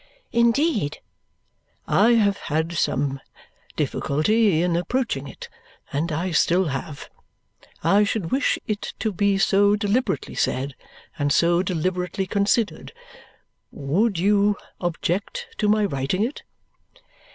"Indeed?" "I have had some difficulty in approaching it, and I still have. I should wish it to be so deliberately said, and so deliberately considered. Would you object to my writing it?"